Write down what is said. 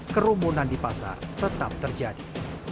kerumunan di pasar tetap terjadi